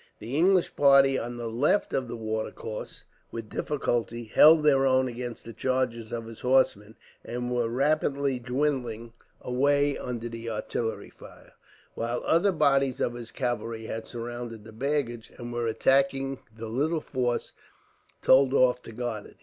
The English party on the left of the watercourse, with difficulty, held their own against the charges of his horsemen, and were rapidly dwindling away under the artillery fire, while other bodies of his cavalry had surrounded the baggage, and were attacking the little force told off to guard it.